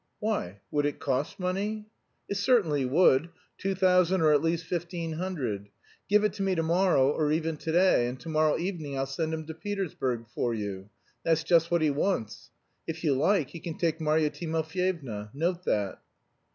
"Why, would it cost money?" "It certainly would; two thousand or at least fifteen hundred. Give it to me to morrow or even to day, and to morrow evening I'll send him to Petersburg for you. That's just what he wants. If you like, he can take Marya Timofyevna. Note that."